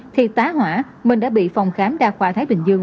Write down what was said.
thì tá hỏa mình đã bị phòng khám đa khoa thái bình dương